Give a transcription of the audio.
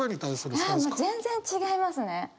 いや全然違いますね！